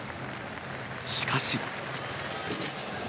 しかし。